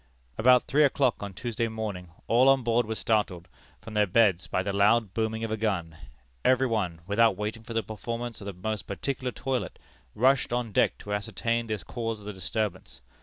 "About three o'clock on Tuesday morning, all on board were startled from their beds by the loud booming of a gun. Every one, without waiting for the performance of the most particular toilet, rushed on deck to ascertain the cause of the disturbance.